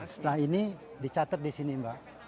nah setelah ini dicatat disini mbak